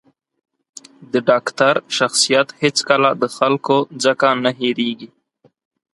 د ډاکتر شخصیت هېڅکله د خلکو ځکه نه هېرېـږي.